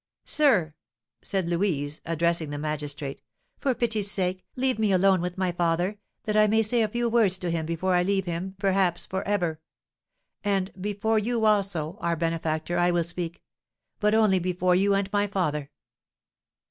"Sir," said Louise, addressing the magistrate, "for pity's sake, leave me alone with my father, that I may say a few words to him before I leave him, perhaps for ever; and before you, also, our benefactor, I will speak; but only before you and my father."